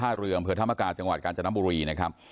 การเจียมเผยธรรมกาทจังหวัดกาศจันทร์บุรีนะครับ